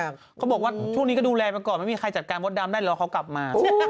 ความกว้างของมันอยู่ใหญ่กว่าประเทศไทยนะ